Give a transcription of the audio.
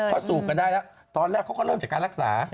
เขาสูบกันได้แล้วตอนแรกเขาก็เริ่มจากการรักษา